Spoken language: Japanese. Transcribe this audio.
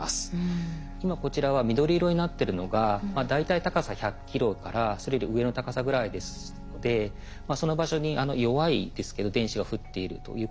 今こちらは緑色になってるのが大体高さ１００ｋｍからそれより上の高さぐらいですのでその場所に弱いですけど電子が降っているということが分かります。